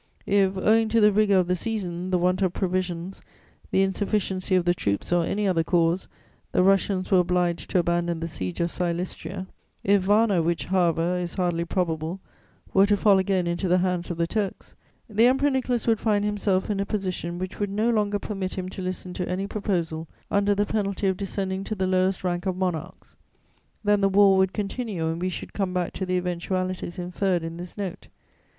If, owing to the rigour of the season, the want of provisions, the insufficiency of the troops, or any other cause, the Russians were obliged to abandon the Siege of Silistria, if Varna, which, however, is hardly probable, were to fall again into the hands of the Turks, the Emperor Nicholas would find himself in a position which would no longer permit him to listen to any proposal, under the penalty of descending to the lowest rank of monarchs: then the war would continue and we should come back to the eventualities inferred in this Note.